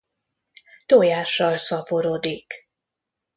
Tojással szaporodik.